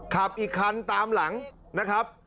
ขับอีกคันตามหลังนะครับ